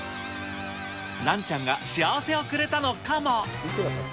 ランちゃんが幸せをくれたのかも。